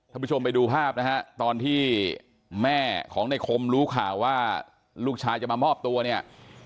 ผู้ชมไปดูภาพนะฮะตอนที่แม่ของในคมรู้ข่าวว่าลูกชายจะมามอบตัวเนี่ย